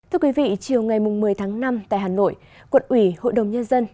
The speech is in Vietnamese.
thưa quý vị chiều ngày một mươi tháng năm tại hà nội quận ủy hội đồng nhân dân